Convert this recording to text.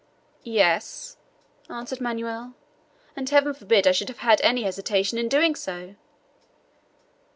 "Yes," answered Manoel, "and heaven forbid I should have had any hesitation in doing so!"